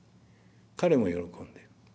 彼も喜んでる。